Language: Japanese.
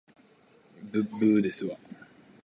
ぶっぶーですわ